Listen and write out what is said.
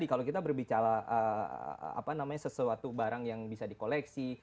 kalau kita berbicara sesuatu barang yang bisa di koleksi